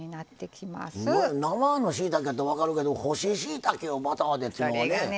生のしいたけやったら分かるけど干ししいたけをバターでというのはね。